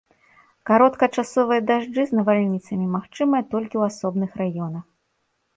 Кароткачасовыя дажджы з навальніцамі магчымыя толькі ў асобных раёнах.